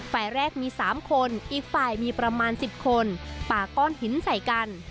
ฝ่ายแรกมี๓คนอีกฝ่ายมีประมาณ๑๐คนป่าก้อนหินใส่กัน